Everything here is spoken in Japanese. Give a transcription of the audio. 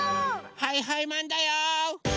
はいはいマンだよ！